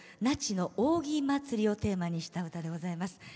那智の扇祭りをテーマにした歌でございます。